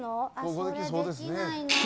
それできないな。